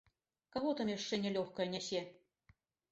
Каго там яшчэ нялёгкае нясе?!